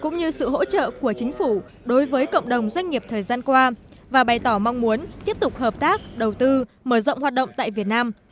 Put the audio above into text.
giúp đỡ của chính phủ đối với cộng đồng doanh nghiệp thời gian qua và bày tỏ mong muốn tiếp tục hợp tác đầu tư mở rộng hoạt động tại việt nam